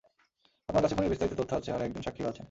আপনার কাছে খুনির বিস্তারিত তথ্য আছে, আর একজন স্বাক্ষীও আছেন।